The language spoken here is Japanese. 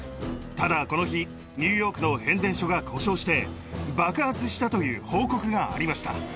ただ、この日、ニューヨークの変電所が故障して、爆発したという報告がありました。